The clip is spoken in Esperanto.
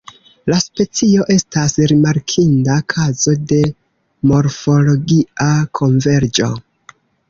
La specio estas rimarkinda kazo de morfologia konverĝo.